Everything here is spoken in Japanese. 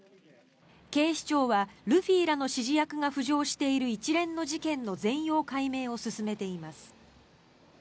警視庁はルフィらの指示役が浮上している一連の事件の全容解明を進めています。